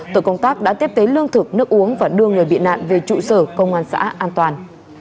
tội công tác đã tiếp tế lương thực nước uống và đưa người bị nạn về trụ sở công an xã an toàn